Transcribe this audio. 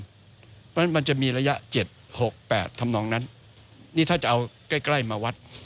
เพราะฉะนั้นมันจะมีระยะ๗๖๘ทำนองนั้นนี่ถ้าจะเอาใกล้ใกล้มาวัด